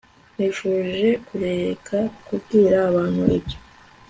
Nkwifurije kureka kubwira abantu ibyo